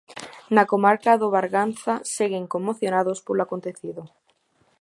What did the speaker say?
Na comarca do Barbanza seguen conmocionados polo acontecido.